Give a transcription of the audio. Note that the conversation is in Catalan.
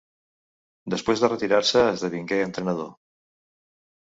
Després de retirar-se esdevingué entrenador.